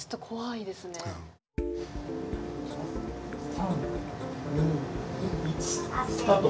３２１スタート。